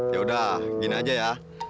yaudah gini aja ya